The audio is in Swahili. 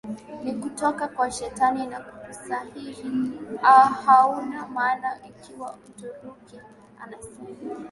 ni kutoka kwa shetani na usahihi hauna maana Ikiwa Mturuki anasema